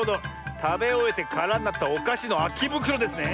たべおえてからになったおかしのあきぶくろですね。